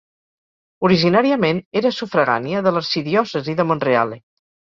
Originàriament era sufragània de l'arxidiòcesi de Monreale.